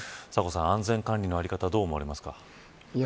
安全管理の在り方どう思いますか。